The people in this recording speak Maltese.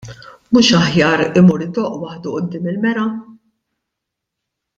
Mhux aħjar imur idoqq waħdu quddiem il-mera.